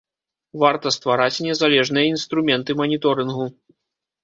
Варта ствараць незалежныя інструменты маніторынгу.